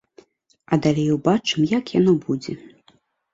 А далей убачым, як яно будзе.